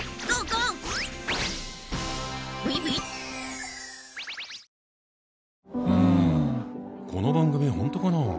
この番組本当かな？